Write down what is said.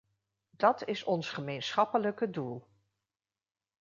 Dat is ons gemeenschappelijke doel.